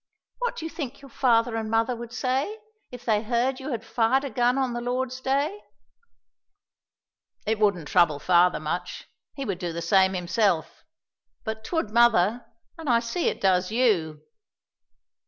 What do you think your father and mother would say, if they heard you had fired a gun on the Lord's day?" "It wouldn't trouble father much; he would do the same himself; but 'twould mother, and I see it does you."